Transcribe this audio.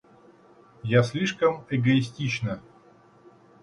Я слишком эгоистична.